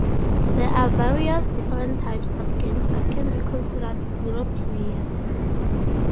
There are various different types of games that can be considered "zero-player".